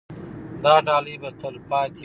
دا ډالۍ به تل پاتې وي.